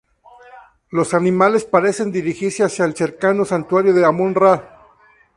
Los animales parecen dirigirse hacia el cercano santuario de Amón-Ra.